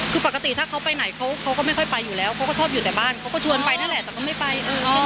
คือปกติถ้าเขาไปไหนเขาก็ไม่ค่อยไปอยู่แล้วเขาก็ชอบอยู่แต่บ้านเขาก็ชวนไปนั่นแหละแต่ก็ไม่ไป